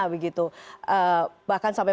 begitu bahkan sampai